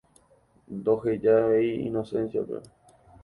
Ndohejavéi Inocencia-pe.